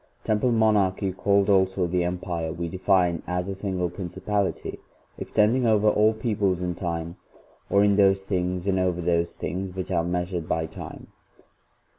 Temporal Monarchy, called also the Empire, we define as a single Principality extending over all peoples in time, or in those things and over those things which are mea sured by time.'